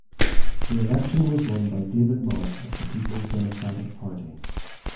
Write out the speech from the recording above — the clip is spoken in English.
The election was won by David Mark of the Peoples Democratic Party.